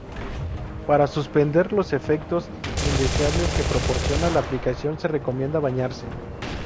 Para suspender los efectos indeseables que proporcionan la aplicación se recomienda bañarse.